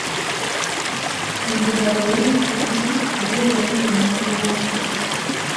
Endiga bw’eriira mu nte, eweebwa elinnya Nnabyewanga.